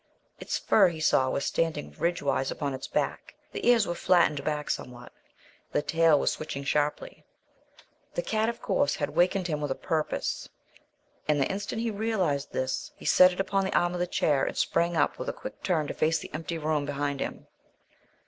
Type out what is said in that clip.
Its fur, he saw, was standing ridgewise upon its back; the ears were flattened back somewhat; the tail was switching sharply. The cat, of course, had wakened him with a purpose, and the instant he realized this, he set it upon the arm of the chair and sprang up with a quick turn to face the empty room behind him.